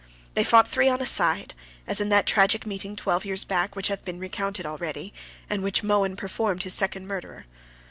They fought three on a side, as in that tragic meeting twelve years back, which hath been recounted already, and in which Mohun performed his second murder.